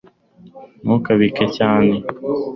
ntukabike cyane